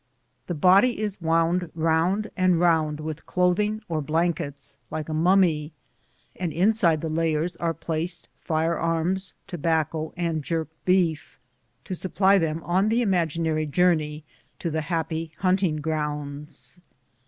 The body is wound round and round with clothing or blankets, like a mummy, and inside the layers are placed fire arms, tobacco, and jerked beef, to supply them on the imaginary journey to the happy hunting grounds.